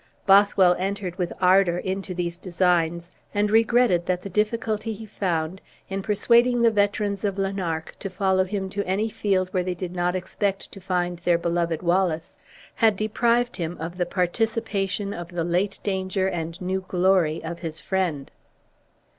Bothwell entered with ardor into these designs, and regretted that the difficulty he found in persuading the veterans of Lanark to follow him to any field where they did not expect to find their beloved Wallace, had deprived him of the participation of the late danger and new glory of his friend.